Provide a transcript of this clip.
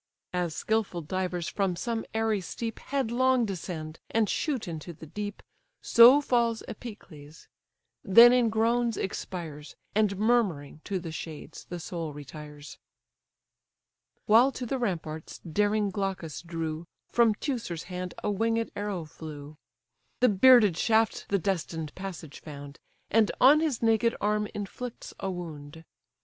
As skilful divers from some airy steep Headlong descend, and shoot into the deep, So falls Epicles; then in groans expires, And murmuring to the shades the soul retires. While to the ramparts daring Glaucus drew, From Teucer's hand a winged arrow flew; The bearded shaft the destined passage found, And on his naked arm inflicts a wound.